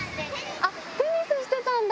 あっ、テニスしてたんだ。